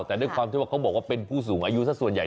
แต่ด้วยความที่ว่าเขาบอกว่าเป็นผู้สูงอายุสักส่วนใหญ่